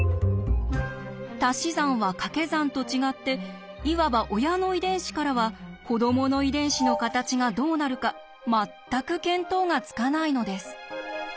たし算はかけ算と違っていわば親の遺伝子からは子どもの遺伝子の形がどうなるか全く見当がつかないのです。